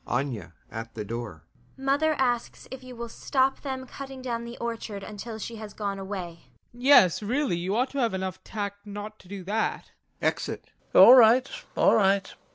ANYA. [At the door] Mother asks if you will stop them cutting down the orchard until she has gone away. TROFIMOV. Yes, really, you ought to have enough tact not to do that. [Exit.] LOPAKHIN, All right, all right...